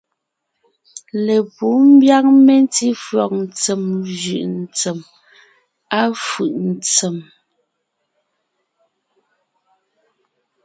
Lepǔ ḿbyág mentí fÿàg ntsèm jʉ̀’ ntsѐm, à fʉ̀’ ntsém.